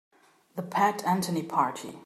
The Pat Anthony Party.